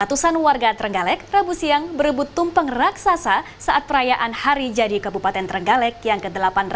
ratusan warga trenggalek rabu siang berebut tumpeng raksasa saat perayaan hari jadi kebupaten trenggalek yang ke delapan ratus dua puluh dua